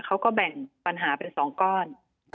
เขาก็แบ่งปัญหาเป็น๒ก้อน